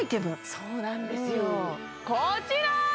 そうなんですよこちら！